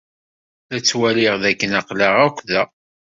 La ttwaliɣ d akken aql-aɣ akk da.